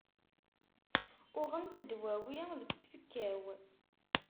Uɣent ddwawi deg tfekka-w.